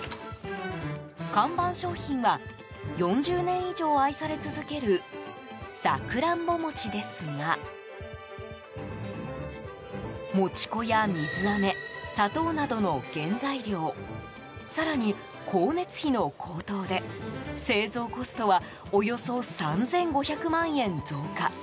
看板商品は４０年以上愛され続けるさくらんぼ餅ですが餅粉や水あめ砂糖などの原材料更に、光熱費の高騰で製造コストはおよそ３５００万円増加。